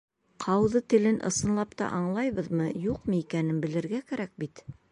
Ҡауҙы телен ысынлап аңлайбыҙмы-юҡмы икәнен белергә кәрәк бит!